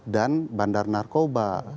dan bandar narkoba